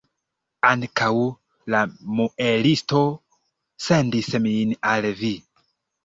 Ankaŭ la muelisto sendis min al vi.